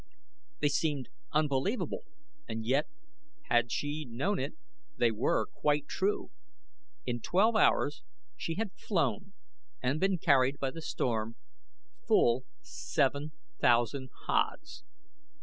They seemed unbelievable and yet, had she known it, they were quite true in twelve hours she had flown and been carried by the storm full seven thousand haads.